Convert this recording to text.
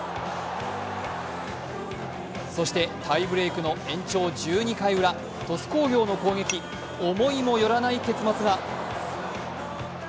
そしてタイブレークの延長１２回ウラ、鳥栖工業の攻撃思いも寄らない結末が。